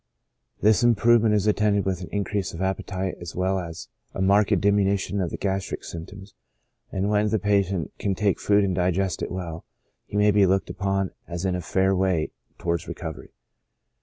This improve ment is attended with an increase of appetite, as well as a marked diminution of the gastric symptoms ; and when the patient can take food and digest it well, he may be looked upon as in a fair way towards recovery.